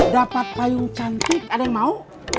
dapat payung cantik ada yang mau